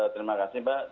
terima kasih mbak